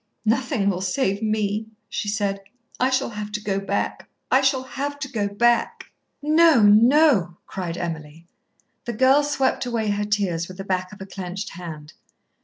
"Nothing will save me," she said. "I shall have to go back, I shall have to go back!" "No, no!" cried Emily. The girl swept away her tears with the back of a clenched hand.